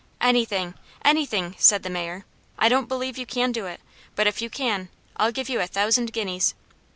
"Anything, anything," said the Mayor. "I don't believe you can do it, but if you can, I'll give you a thousand guineas."